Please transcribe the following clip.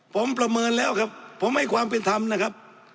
ผมประเมินแล้วครับผมให้ความเป็นธรรมนะครับ